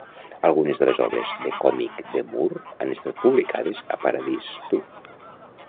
Algunes de les obres de còmic de Moore han estat publicades a Paradise Too!